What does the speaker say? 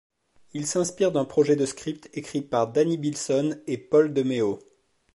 Ils s'inspirent d'un projet de script écrit par Danny Bilson et Paul De Meo.